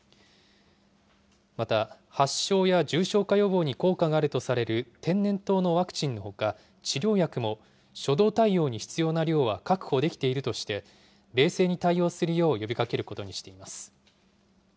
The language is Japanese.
また、発症や重症化予防に効果があるとされる天然痘のワクチンのほか、治療薬も、初動対応に必要な量は確保できているとして、冷静に対応するよう呼びかけることにしています。